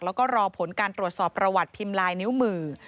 แล้วก็รอผลการตรวจสอบประวัติพิมพ์ลายนิ้วมือ